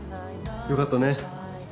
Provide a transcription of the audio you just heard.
よかったね。